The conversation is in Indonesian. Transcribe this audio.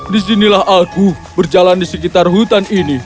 disinilah aku berjalan di sekitar hutan ini